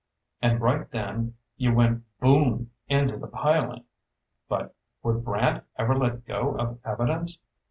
And right then you went boom into the piling. But would Brant ever let go of evidence?